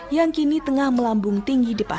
yang kini tengah melambung tinggi di depan